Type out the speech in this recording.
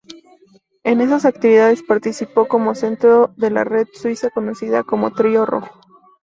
En esas actividades participó como centro de la red suiza conocida como Trío Rojo.